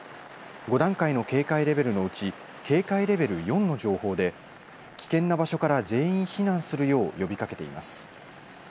５段階の警戒レベルのうち警戒レベル４の情報で危険な場所から全員避難するよう呼びかけています。